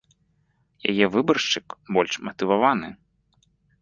Яе выбаршчык больш матываваны.